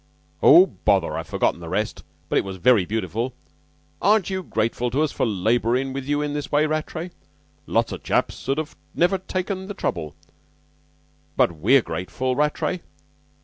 Oh, bother! I've forgotten the rest, but it was very beautiful. Aren't you grateful to us for laborin' with you this way, Rattray? Lots of chaps 'ud never have taken the trouble, but we're grateful, Rattray."